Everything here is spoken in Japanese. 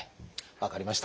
分かりました。